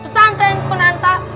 pesan keren kun anta